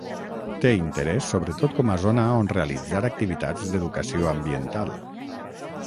Té interès sobretot com a zona on realitzar activitats d'educació ambiental.